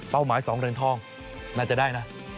เป้าหมาย๒เรือนทองน่าจะได้นะ